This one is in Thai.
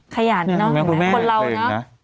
ขยันนะเพราะเรานะ